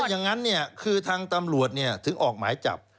ก็แต่อย่างนั้นเนี่ยคือทางตำรวจเนี่ยถึงออกหมายจับ